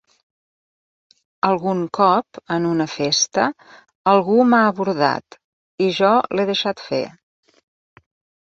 Algun cop, en una festa, algú m'ha abordat i jo l'he deixat fer.